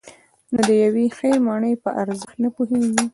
نو د یوې ښې مڼې په ارزښت نه پوهېږئ.